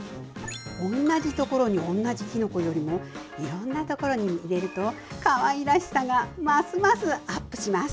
同じところに同じきのこよりもいろんなところに入れるとかわいらしさがますますアップします。